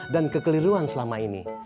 dan kekeliruan selama ini